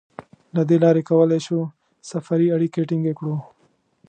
له دې لارې کولای شو سفري اړیکې ټینګې کړو.